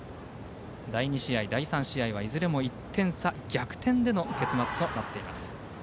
第２試合、第３試合はいずれも１点差逆転での結末となっています。